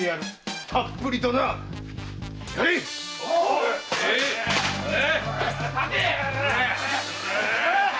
〔たっぷりとな。やれっ！〕